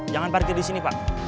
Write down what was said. jangan pergi disini